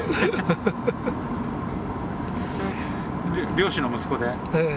漁師の息子で？